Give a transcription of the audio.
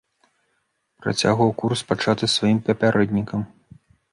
Працягваў курс, пачаты сваім папярэднікам.